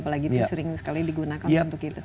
apalagi itu sering sekali digunakan untuk itu